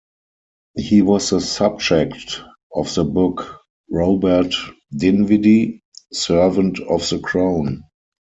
He was the subject of the book "Robert Dinwiddie: Servant of the Crown".